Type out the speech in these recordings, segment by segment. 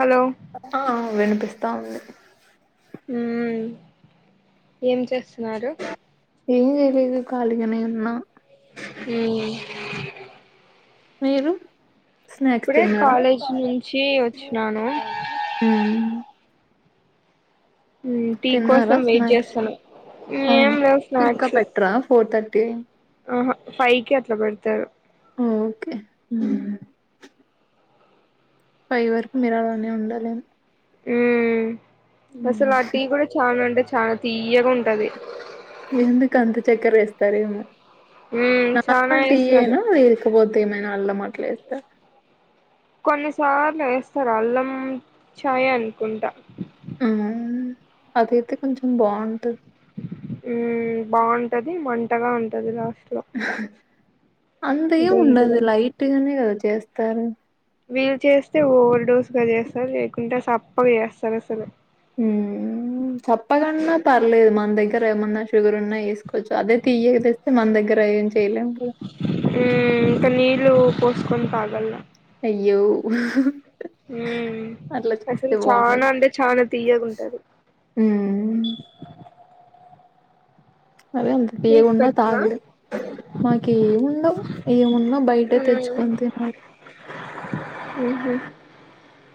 Hello ఆ వినిపిస్తాంది హ్మ్ ఏం చేస్తున్నారు ఏం చేయలేదు ఖాళీగానే ఉన్నా హ్మ్ మీరు స్నాక్స్ తిన్నార కాలేజ్ నుంచి వచ్చినాను హ్మ్ టీ తిన్నారా కోసం వెయిట్ స్నాక్స్ చేస్తున ఏం అవును లేవు ఇంకా స్నాక్స్ పెట్టరా ఫోర్ థర్టీ ఆహా ఫైవ్ కి అట్లా పెడతారు ఓకే ఫైవ్ వరకు మీరు అలానే ఉండాలి ఏమో ఉమ్మ్ అస్సల ఆ టీ కూడా చాలా అంటే చాలా తీయ్యగా ఉంటది చెక్కర వేస్తారేమో మ్మ్ చానా నార్మల్ ఏస్తారు టీయేనా లేకపో ఏమైనా అల్లం అట్ల ఎస్త కొన్నిసార్లు వేస్తారు అల్లం చాయ్ అనుకుంటా హ్మ్ అదయితే కొంచెం బావుంటది ఉమ్ బావుంటది మంటగ ఉంటది లాస్ట్ లో అంతే గొంతులో ఉండదు లైట్గానే కదా చేస్తారు వీళ్లు చేస్తే ఓవర్ డోస్ గా చేస్తారు లేకుంటే సప్పగా చేస్తారు అసలు సప్పగన్న పర్లేదు మన దగ్గర ఏమన్నా షుగర్ ఉన్నా ఎసు కొంచెం అదే తీయక తెస్తే మన దగ్గర ఏం చేయలేం కద నేన్ తాగ్లన అయ్యో ఉమ్ పర్లేదు అసలు చానా బావుండళ్ళ అంటే చానా తీయగుంటది హ్మ్ మరి అంత తీయ్యగ మీకు ఉన్న పెట్రా తాగలేం మాక ఏముండవు ఏమున్నా బయటే తెచ్చుకొని తినాలి మ్ హు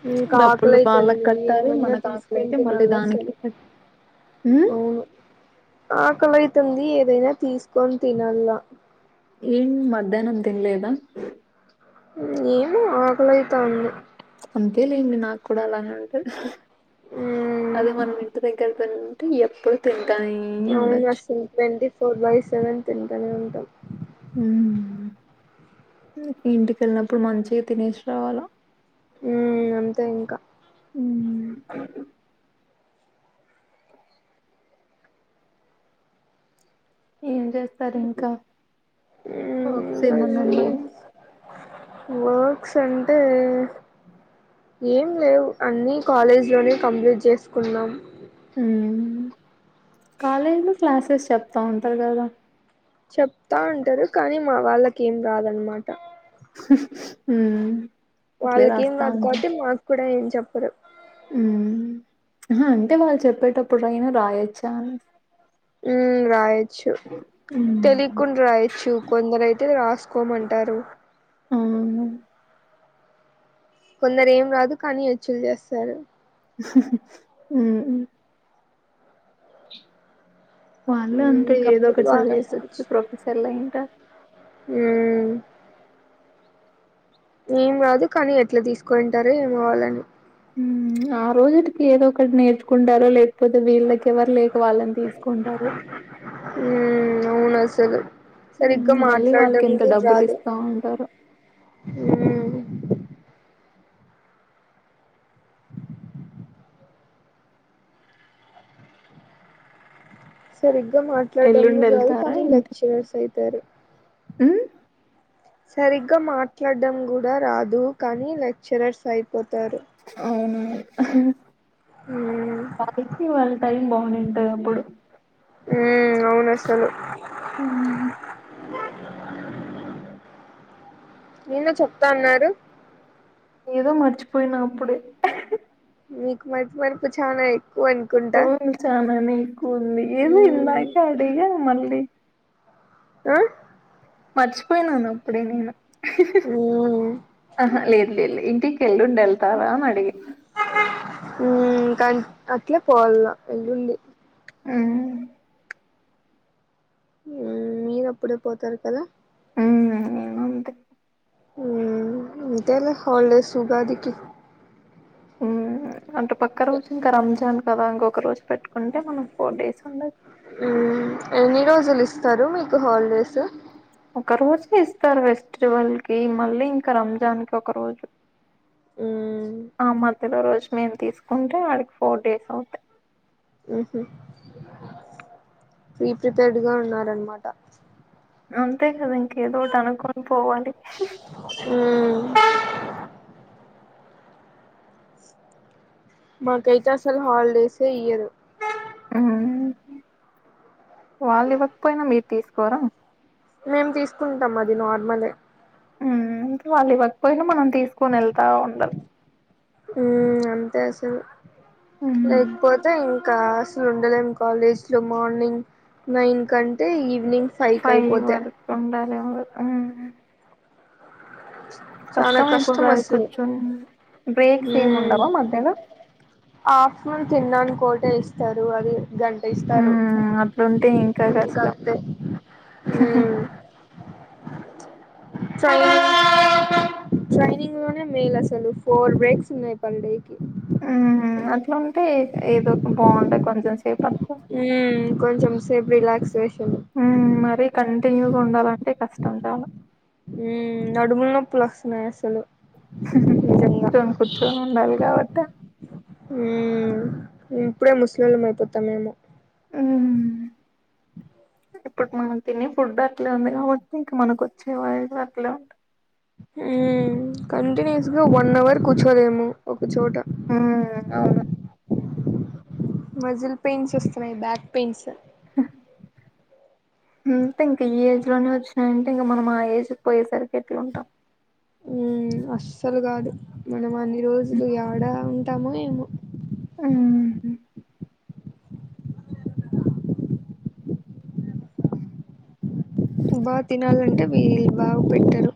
నాకు డబ్బులు వాళ్ళకి ఆకలైతుంది కట్టాలి ఏమన్నా మనకు తీసుకొని ఆకలైతే మళ్ళీ తినాలి దానికి అసలు కట్ హ్మ్ అవును ఆకలి అయితుంది ఏదైనా తీసుకొని తినాల ఏం మధ్యాహ్నం తిన్లేదా ఏమో ఆకలైతాంది అంతే లేండి నాకు కూడా అలానే ఉంటది ఉమ్ అదే మనం ఇంటి దగ్గర తింటే ఎప్పుడు తిన్ను అవును అసలు ట్వంటీ ఫోర్ బై సెవెన్ తింటానే ఉంటాం మ్ ఇంటికి ఎళ్ళినప్పుడు మంచిగా తినేసి రావాలా ఉమ్ అంతే ఇంకా హ్మ్ ఏం చేస్తారు ఇంకా ఉమ్ వర్క్స్ ఇంకా ఏమన్నా ఉన్నాయా వర్క్స్ అంటే ఏం లేవు అన్నీ కాలేజ్ లోనే కంప్లీట్ చేసుకున్నాం హ్మ్ కాలేజీలో క్లాసెస్ చెప్తా ఉంటారు కదా చెప్తా ఉంటారు కానీ మా వాళ్ళకి ఏం రాదన్మాట మ్ వాళ్ళకేం రాదు కాబట్టి మాకు కూడా ఏం చెప్పరు ఉమ్ అంటే వాళ్ళు చెప్పేటప్పుడైనా రాయొచ్చా అని ఉమ్ రాయొచ్చు హ్మ్ తెలియకుండా రాయొచ్చు కొందరైతే రాసుకోమంటారు అవును కొందరు ఏం రాదు కానీ ఎచ్చులు చేస్తారు మ్ వాళ్ళు మ్మ్ అంటే ఏదో ఇంకప్పుడు ఒకటి బాగా చదివేసొచ్చి ప్రొఫెసర్లు అంట హ్మ్మ్ ఏం రాదు కానీ ఎట్లా తీసుకుంటారో ఏమో వాలని ఆ రోజుటికి ఏదో ఒకటి నేర్చుకుంటారో లే పోతే వీళ్ళకెవర్ లేక వాళ్ళని తీసుకుంటారు మ్మ్ అవును అసలు సరిగ్గా హ్మ్ మళ్ళీ వాళ్ళకి మాట్లాడటమే ఎంత డబ్బులు రాదు ఇస్తా ఉంటారో హ్మ్మ్ సరిగ్గా మాట్లాడం ఎల్లుండి కూడ రాదు వెళ్తారా కానీ లెక్చరర్స్ అయితారు మ్ సరిగ్గా మాట్లాడడం కూడా రాదు కానీ లెక్చరర్స్ అయిపోతారు అవును మ్మ్ నాకు తెలిసి వాళ్ళ టైం బాగుండుంటది అప్పుడు ఉ అవునసలు హ్మ్ మీరుకూడ చెప్తా అన్నారు ఏదో మరిచిపోయినా అప్పుడే మీకు మతి మరుపు చ్చానా ఎ అవును చానానే ఎక్కువ ఉంది ఏమో మ్మ్ ఇందాకే అడిగా మళ్ళీ ఆ మర్చిపోయినాను అప్పుడే నేను మ్మ్ ఆహా లేదు లేదు లే ఇంటికి ఎల్లుండి యెల్తావా అని అడిగి క అట్లే పోవాల్న ఎల్లుండి హ్మ్మ్ మీరప్పుడే పోతారు కదా నేను అంతే అంతేలె హాలీడేస్ ఉగాదికి అంటే పక్క రోజు ఇంకా రంజాన్ కదా ఇంకొక రోజు పెట్టుకుంటే మనం ఫోర్ డేస్ ఉండదు మ్మ్ ఎన్ని రోజులు ఇస్తారు మీకు హాలిడేసు ఒక రోజే ఇస్తారు ఫెస్టివల్ కి మళ్ళీ ఇంకా రంజాన్ కి ఒక రోజు మ్మ్ ఆ మధ్యలో రోజు మేము తీసుకుంటే వాడికి ఫోర్ డేస్ అవుతాయి ప్రీ ప్రిపేర్డ్ గా ఉన్నారనమాట అంతే కదా ఇంకేదో ఒకటి అనుకొని పోవాలి ఉమ్ మాకైతే అసలు హాలిడేసే ఇయరు వాళ్ళు ఇవ్వకపోయినా మీరు తీసుకోరా మేము తీసుకుంటాం అది నార్మలే ఉ వాళ్ళు ఇవ్వకపోయినా మనం తీసుకుని వెళ్తా ఉండాలి ఉ అంతే అసలు ఉమ్ లేకపోతే ఇంకా క్సులు ఉండలేము కాలేజ్ లో మార్నింగ్ నైన్ కంటే ఈవినింగ్ ఫైవ్ కి ఫై అయిపోతే వర్కు ఉండాలవ చాలా అయిపోతది కష్టంస కూర్చుని హ బ్రేక్స్ ఏమి ఉండవా మధ్యలో ఆఫ్ మన్ తిన్నానుకోట ఇస్తారు అది గంట ఇస్తారు ఉమ్ అట్లుంటే ఇంకా కష్టం ఇంకతే చైనా ట్రైనింగ్ లోనే మేయిల్ అసలు ఫోర్ బ్రేక్స్ ఉన్నాయి పర్ డేకి అట్లా ఉంటే ఏదో ఒక బాగుంటాయి కొంచెం సేపు అట్లా. కొంచెం సేపు రస్ష మర కంటిన్యూగా ఉండాలంటే కష్టం చాలుా ఉ నడుముల న పులస్తున్నాయి అసలు నిజంగా కూర్చోం కూర్చొని ఉండాలి కాబట్టి ఉమ్ ఇప్పుడే ముస్లింలం అయిపోతాం మేము ఆ అ ఇప్పుడు మనం తిని ఫుడ్ అట్లే ఉంది కాబట్టి ఇంకా మనకు వచ్చే వాయిసు అట్లే ఉంటా కంటిన్యూస్ గా వన్ అవర్ కూర్చోలేము ఒక చోట హ్మ్. అవును. మజిల్ పెయిన్స్ వస్తున్నాయి బ్యాక్ పెయిన్స్ అంటే ఇంకా ఈ ఏజ్ లోనే వచ్చినాయంటే ఇంకా మనం ఆ ఏజ్ పోయేసరికి ఎట్లా ఉంటాం అస్సలు కాదు మనం అన్ని రోజులు ఏడా ఉంటామో ఏమో హు బాగా తినాలంటే వీళ్ళు బాగా పెట్టరు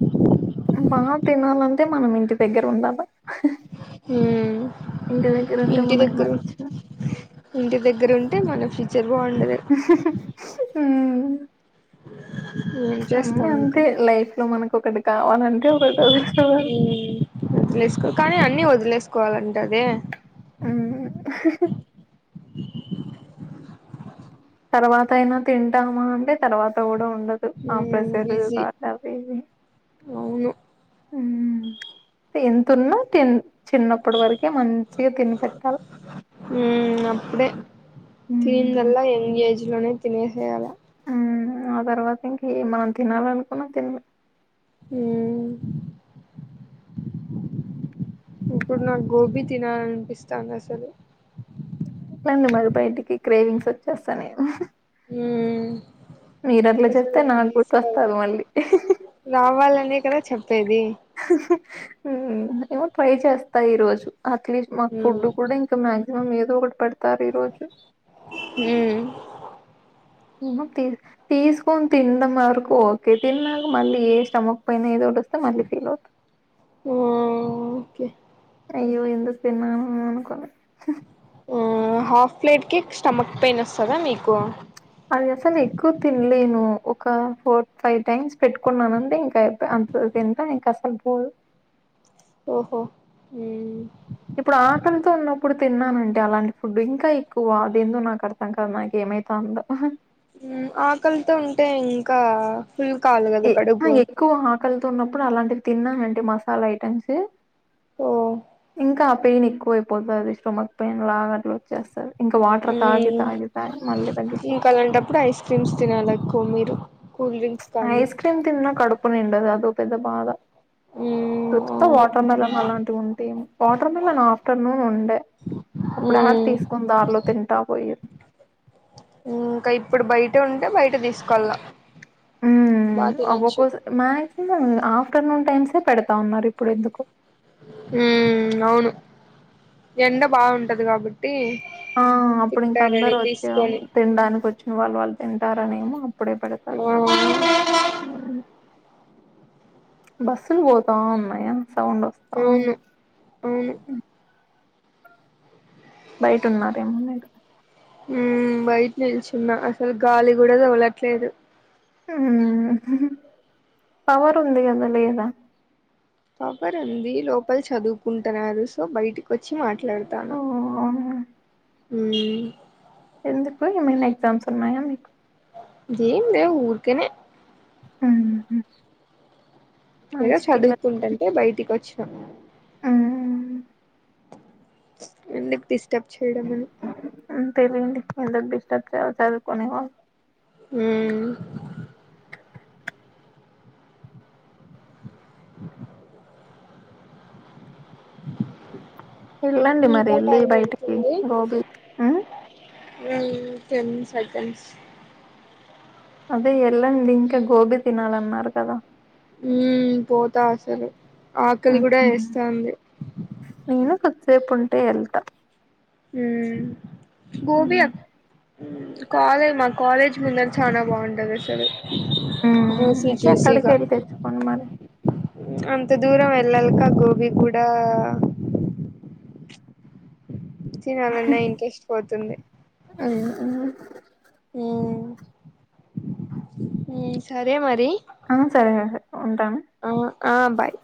బాగా తినాలంటే మనం ఇంటి దగ్గర ఉందామా ఉ దగ్గర ఉంటే ఇంటి మనకు దగ్గర నచ్చిన ఇంటి దగ్గర ఉంటే మన ఫ్యూచర్ బాగుండదు ఉ ఏం అ చేస్తాం అంతే లైఫ్ లో మనకు ఒకటి కావాలంటే ఒకటి వదులుకోవాలి వదిలేసుకోవాలి కానీ అన్ని వదిలేసుకోవాలంటేనే ఆ తర్వాత అయినా తింటామా అంటే తర్వాత కూడా ఉన్ ఆ ప్రెషర్, బిజీ టార్చర్ అవి అవును హు ఎంత ఉన్నా తిన్ చిన్నప్పుడు వరకే మంచిగా తిని పెట్టాలి ఉ అప్పుడే మ్మ్ తినందల్లా యంగ్ ఏజ్ లోనే తినేసేయాల మ్మ్ ఆ తర్వాత ఇంక మనం తినాలనుకున్నా తినలే హు ఇప్పుడు నాకు గోబీ తినాలనిపిస్తాంది అసలు రండి మరి బయటికి క్రేవింగ్స్ వచ్చేస్తనయి ఉ అట్లా అసలు చెప్తే ఇ నాకు తీసుకోల గుర్తొస్తది మళ్ళీ నావల్లనే కదా చెప్ ఏమో ట్రై చేస్తా ఈ రోజు అట్లీస్ట్ మాకు ఫుడ్ కూడా ఇంకా మాక్సిమం ఏదో ఒకటి పడ్ తారి ఈరోజు తీసుకొని తినడం వరకు ఓకే తిన్నాక మళ్ళీ ఏ స్టమక్ పైన ఏదోటి వస్ ఓకే అయ్యో ఎందుకు తిన్నాను అని అనుకోలే ఊ హాఫ్ ప్లేట్ కి స్టమక్ పెయిన్ వస్తదా మీకు అది అసలు న ఎక్కువ తినలేను ఒక ఫోర్ ఫైవ్ టైమ్స్ పెట్టుకున్నానంటే ఇంకా అయిపా ఎంటా ఇంకసలు పో ఓహో ఊ ఇప్పుడు ఆకలితో ఉన్నప్పుడు తిన్నానంటే అలాంటి ఫుడ్ ఇంకా ఎక్కువ అదేందో నాకు అర్థం కాదు నాకేం మే పంద ఆకలితో ఉంటే ఇంకా ఫుల్ కావాలి కదా ఎ ఆ కడుగు ఎక్కువ ఆకలితో ఉన్నప్పుడు అలాంటివి తిన్నానంటే మసాలా ఐటమ్స్ ఓ ఇంకా పెయిన్ ఎక్కువ అయిపోతుంది స్టమక్ పెయిన్ లాగా అట్లా వచ్చేస్తది ఇంకా వాటర్ తాగి మ్ తాగి తాగి మళ్ళీ తగ్గిపోతు కుమిరు ఐస్ క్రీమ్ తిన్న కడుపు నిండదు అదో పెద్ద బాధ ఉ చూస్తా వాటర్ మెలన్ అలాంటివి ఉంటా వాటర్ మెలన్ ఆఫ్టర్నూన్ ఉండే అప్పుడు ఆరు మ్ తీసుకుని దారిలో తింటా పోయి ఇంకా ఇప్పుడు బయటే ఉంటే బయట తీసుకొళ్ళ ఉ అవ్వకోసం మాక్సిమం ఆఫ్ ఆఫ్టర్నూన్ టైమ్సే పెడతా ఉన్నారు ఇప్పుడు ఎందుకు ఉ అవును ఎండ బాగుంటది కాబట్టి ఆ అప్పుడు ఇంక అందరు తింటారని వచ్చేవాళ్లు తీసుకొని తినడానికి వచ్చిన వాళ్ళు వాళ్ళు తింటారనేమో అప్పుడే పెడతారు అవును ఉహు బస్సులు పోతా ఉన్నాయా సౌండ్ వస్తా అవును అవును బయట ఉన్నారేమో మీరు ఉ బయట నిల్చున్న అసలు గాలి కూడా తగలట్లేదు ఉ పవర్ ఉంది కదా లేదా పపర్ ఉంది లోపల చదువుకుంటున్నారు సో బయటకి వచ్చి మాట్ ఓ మాట్లాడుతాన అవునా ఉ ఎందుకు ఏమైనా ఎక్జామ్స్ ఉన్నాయా మీకు ఏం లేవు ఊర్కనే ఉహు ఏదో చదువుకుంటంటే బయటికి వచ్చిన మ్మ్ ఎందుకు డిస్టర్బ్ చేయడం అని తేలేండి ఎందుకు డిస్టర్బ్ చెయ్యాలి చదువుకొని వాళ్లు ఉ [inaudible] వెళ్ళండి మరి ఇంకా ఎల్లి టైం బయటికి అవుతుంది గోబీ ఉ ఉ టెన్ సెకండ్స్ అదే ఎల్ళండి ఇంకా గోబీ తినాలన్నారు కదా ఉ పోతా సరే ఆకలి కూడా వేస్తంది సేపు ఉంటే వెళ్తా ఉ గోబీ అ ఉ కాలేజ్ మా కాలేజ్ ముందర చానా బాగుంటది అసలు మ్మ్ జూసి అయితే అక్కడికి జూసిగా వెళ్ళి తెచ్చుకోండి మరి ఉ అంత దూరం వెళ్ల్ళల్కా గోబి గూడ తినాలన్నా ఇంట్రెస్ట్ పోతుంది ఉ ఉ ఉ సరే మరి ఆ సరే ఉంటాను ఆ ఆ బాయ్